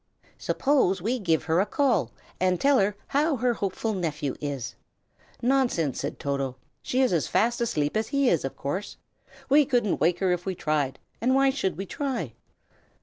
Suppose we give her a call, and tell her how her hopeful nephew is." "Nonsense!" said Toto, "she is as fast asleep as he is, of course. We couldn't wake her if we tried, and why should we try?"